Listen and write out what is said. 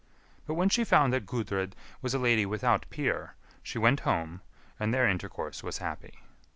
But when she found that Gudrid was a lady without peer, she went home, and their intercourse was happy.